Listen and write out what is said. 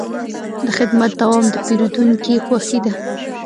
د خدمت دوام د پیرودونکي خوښي ده.